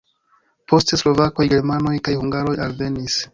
Poste slovakoj, germanoj kaj hungaroj alvenis.